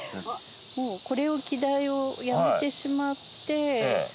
もうこれを季題をやめてしまって。